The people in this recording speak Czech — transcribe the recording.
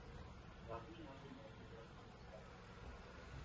Hlavní náplň letu byla technická.